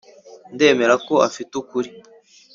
ndemera ko afite ukuri.